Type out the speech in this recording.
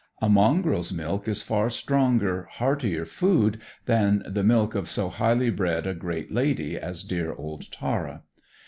A mongrel's milk is far stronger, heartier food than the milk of so highly bred a great lady as dear old Tara.